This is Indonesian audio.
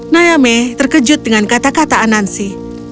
nayame terkejut dengan kata kata anansi